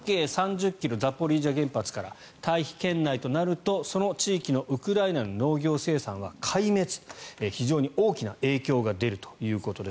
ザポリージャ原発から半径３０ｋｍが退避圏内となると、その地域のウクライナの農業生産は壊滅非常に大きな影響が出るということです。